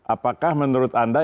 apakah menurut anda